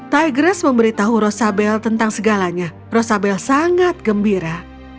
tigress memberitahu rosabel tentang segalanya rosabel sangat gembira